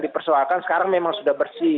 dipersoalkan sekarang memang sudah bersih